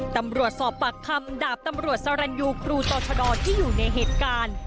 ตำรวจสอบปากคำดาบตำรวจสรรยูครูต่อชะดอที่อยู่ในเหตุการณ์